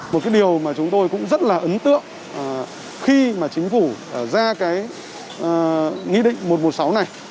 một cái điều mà chúng tôi cũng rất là ấn tượng khi mà chính phủ ra cái nghị định một trăm một mươi sáu này